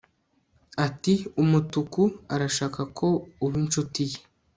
ati umutuku arashaka ko uba inshuti ye